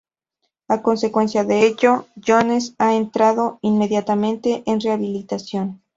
A consecuencia de ello, Jones ha entrado inmediatamente en rehabilitación.